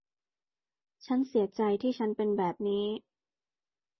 ฉันเสียใจที่ฉันเป็นแบบนี้